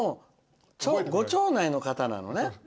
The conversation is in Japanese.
ご町内の方なのね。